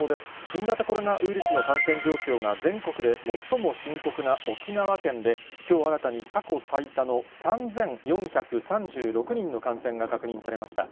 新型コロナウイルスの感染状況が全国で最も深刻な沖縄県で、きょう新たに過去最多の３４３６人の感染が確認されました。